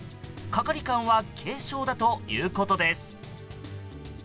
係官は軽傷だということです。